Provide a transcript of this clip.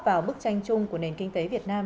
vào bức tranh chung của nền kinh tế việt nam